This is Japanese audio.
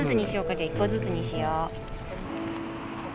じゃあ一個ずつにしよう。